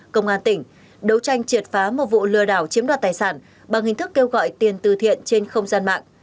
công an tỉnh đấu tranh triệt phá một vụ lừa đảo chiếm đoạt tài sản bằng hình thức kêu gọi tiền từ thiện trên không gian mạng